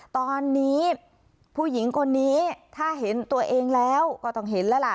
ตอนนี้ผู้หญิงคนนี้ถ้าเห็นตัวเองแล้วก็ต้องเห็นแล้วล่ะ